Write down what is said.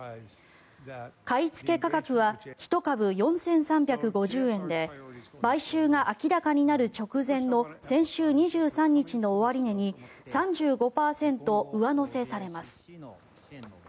買いつけ価格は１株４３５０円で買収が明らかになる直前の先週２３日の終値に３５％上乗せされます。